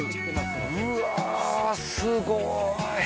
うわすごい！